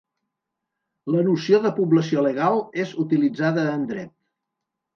La noció de població legal és utilitzada en dret.